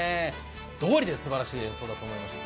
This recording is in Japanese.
どうりで、すばらしい演奏だと思いました。